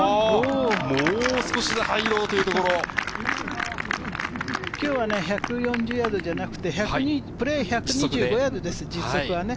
もう少しで入ろうという今日は１４０ヤードじゃなくて、１２５ヤードです、実測はね。